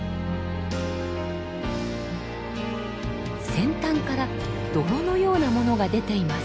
先端から泥のようなものが出ています。